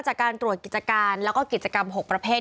จากการตรวจกิจการแล้วก็กิจกรรม๖ประเภท